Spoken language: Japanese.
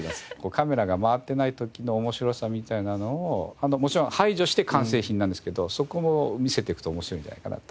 カメラが回ってない時の面白さみたいなのをもちろん排除して完成品なんですけどそこも見せていくと面白いんじゃないかなと思います。